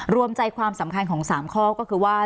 รวมใจความสำคัญของ๓ข้อก็คือว่า